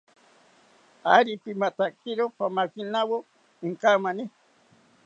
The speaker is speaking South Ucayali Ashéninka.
Ari pimatakiro pamakinawo inkamani